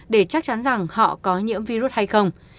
để chắc chắn rằng họ có nhiễm virus hay không